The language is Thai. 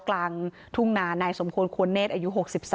กลางทุ่งนานายสมควรควรเนธอายุ๖๓